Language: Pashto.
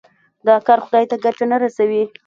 دا کار خدای ته ګټه نه رسوي.